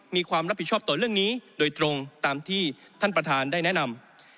มีความรับผิดชอบต่อเรื่องนี้โดยตรงตามที่ท่านประธานได้แนะนำ